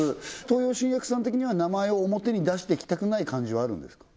東洋新薬さん的には名前を表に出していきたくない感じはあるんですか？